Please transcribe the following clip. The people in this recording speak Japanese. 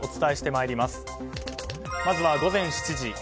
まずは午前７時。